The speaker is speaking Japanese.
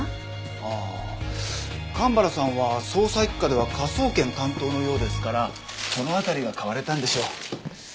ああ蒲原さんは捜査一課では科捜研担当のようですからその辺りが買われたんでしょう。